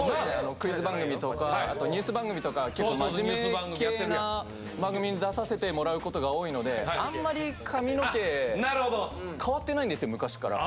クイズ番組とかあとニュース番組とか結構真面目系な番組に出させてもらうことが多いのであんまり髪の毛変わってないんですよ昔から。